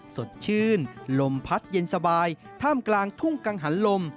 สดชื่นลมพัดเย็นสบายท่ามกลางทุ่งกังหันลม